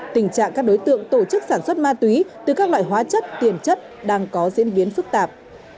tình trạng các đối tượng tổ chức sản xuất ma túy từ các loại hóa chất tiền chất đang có diễn biến phức tạp